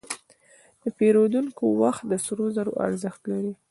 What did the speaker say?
د پیرودونکي وخت د سرو زرو ارزښت لري.